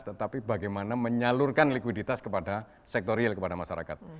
tetapi bagaimana menyalurkan likuiditas kepada sektor real kepada masyarakat